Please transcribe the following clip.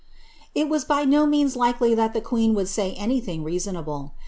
' It was by no means likely that the queen would say anything rea sonable.